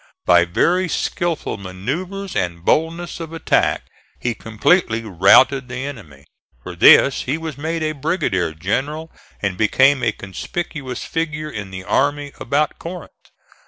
By very skilful manoeuvres and boldness of attack he completely routed the enemy. For this he was made a brigadier general and became a conspicuous figure in the army about Corinth.